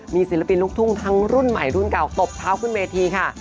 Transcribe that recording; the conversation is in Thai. มีศิลปินลูกทุ่งทั้งรุ่นใหม่รุ่นเก่าตบเท้าขึ้นเวทีค่ะ